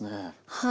はい。